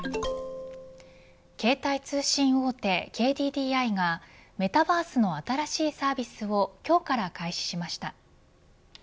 携帯通信大手ＫＤＤＩがメタバースの新しいサービスを今日から開始しました。